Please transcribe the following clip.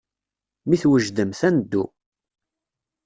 Mi twejdemt, ad neddu.